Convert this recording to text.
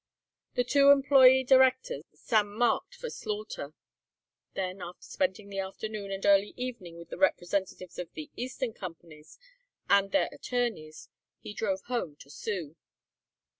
The two employeé directors Sam marked for slaughter. Then after spending the afternoon and early evening with the representatives of the eastern companies and their attorneys he drove home to Sue.